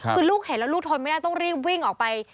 คือลูกเห็นแล้วลูกทนไม่ได้ต้องรีบวิ่งออกไป